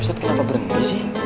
ustaz kenapa berhenti sih